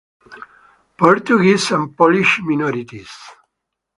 Portuguese and Polish minorities.